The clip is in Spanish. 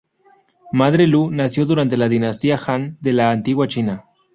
Madre Lü nació durante la dinastía Han de la antigua China.